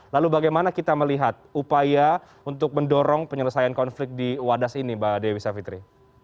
lalu bagaimana kita melihat upaya untuk mendorong penyelesaian konflik di wadas ini mbak dewi savitri